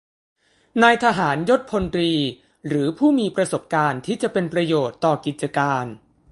นายทหารยศพลตรี หรือผู้มีประสบการณ์ที่จะเป็นประโยชน์ต่อกิจการ